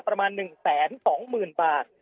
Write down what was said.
ประมาณ๑แสน๒หมื่นบาท